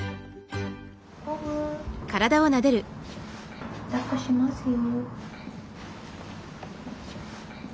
ボブだっこしますよ。